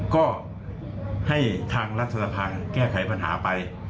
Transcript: ก็ให้ทางรัฐสภาแก้ไขปัญหาไป